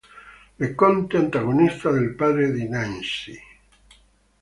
Le Conte, antagonista del padre di Nancy.